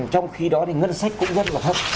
trong khi đó thì ngân sách cũng rất là thấp